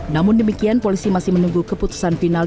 namun demikian polisi masih menunggu keputusan final